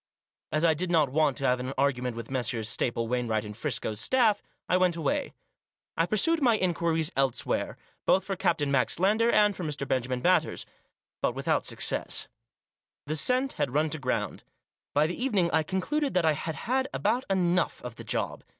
As I did not want to have an argument with Messrs. Staple, Wainwright and Friscoe's staff, I went away. I pursued my inquiries elsewhere, both for Captain Max Lander and for Mr. Benjamin Batters. But 12* Digitized by 180 THE JOSS. without success. The scent had run to ground. By the evening I concluded that I had had about enough of the job.